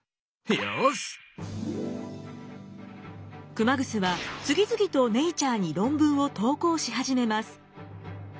熊楠は次々と「ネイチャー」に論文を投稿し始めます。